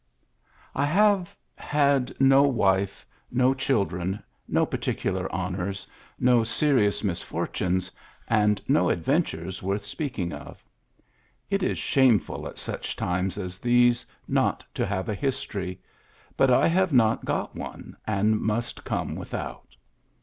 ^^I HAYE had no vn.fe, no cMldrenj no particular honors^ no serious misfort unes^ and no adventures worth speaking of. It is shameful at such times as these not to have a history ; but I have not got one, and must come without.''